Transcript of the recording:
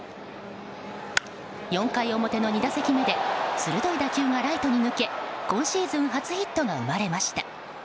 ４回表の２打席目で鋭い打球がライトに抜け、今シーズン初ヒットが生まれました。